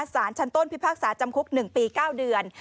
สารชั้นต้นพิพากษาจำคุก๑ปี๙เดือน